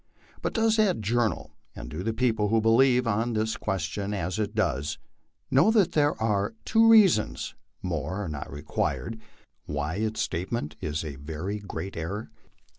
But does that journal, and do the people who believe on this question as it does, know that there are two reasons more are not required why its statement is a very great error